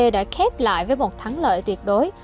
đã khép lại với một thắng lợi tuyệt đối